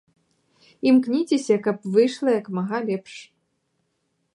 Імкніцеся, каб выйшла як мага лепш.